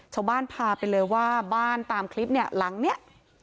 ชาวบ้านพาไปเลยว่าบ้านตามคลิปเนี่ยหลังเนี่ย